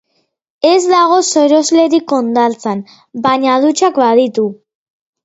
Ez dago soroslerik hondartzan, baina dutxak baditu.